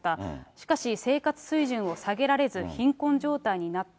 しかし生活水準を下げられず、貧困状態になった。